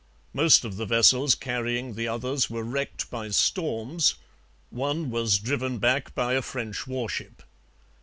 Most of the vessels carrying the others were wrecked by storms; one was driven back by a French warship.